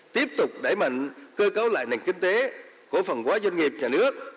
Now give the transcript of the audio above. tiếp tục đẩy mạnh cơ cáo lại nền kinh tế cổ phần quá doanh nghiệp nhà nước